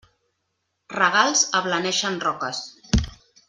Regals ablaneixen roques.